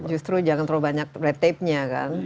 justru jangan terlalu banyak red tap nya kan